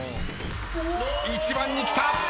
１番に来た。